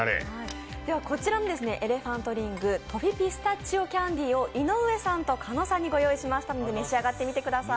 こちらのＥＬＥＰＨＡＮＴＲＩＮＧトフィピスタチオキャンディを井上さんと狩野さんにご用意しましたので、召し上がってみてください。